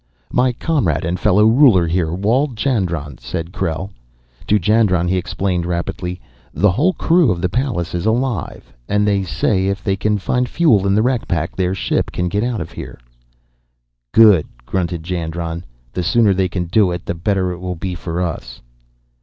"My comrade and fellow ruler here, Wald Jandron," said Krell. To Jandron he explained rapidly. "The whole crew of the Pallas is alive, and they say if they can find fuel in the wreck pack their ship can get out of here." "Good," grunted Jandron. "The sooner they can do it, the better it will be for us."